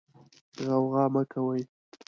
غوغا مه کوئ.